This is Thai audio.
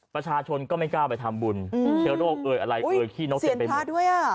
ประชาชนก็ไม่กล้าไปทำบุญเชื้อโรคอะไรเอ่ยขี้นกเต็มไปหมด